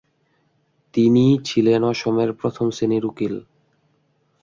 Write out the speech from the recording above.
তিনিই ছিলেন অসমের প্রথম শ্রেনীর উকিল।